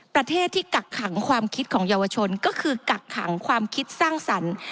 ประเทศที่กักขังความคิดของเยาวชนก็คือกักขังความคิดสร้างสรรค์